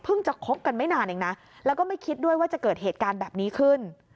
จะคบกันไม่นานเองนะแล้วก็ไม่คิดด้วยว่าจะเกิดเหตุการณ์แบบนี้ขึ้น